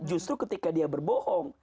justru ketika dia berbohong